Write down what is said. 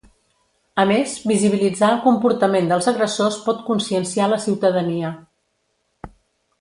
A més, visibilitzar el comportament dels agressors pot conscienciar la ciutadania.